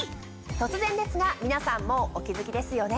突然ですが皆さんもうお気付きですよね。